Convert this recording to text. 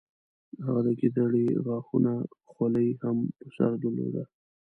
هغه د ګیدړې غاښونو خولۍ هم په سر درلوده.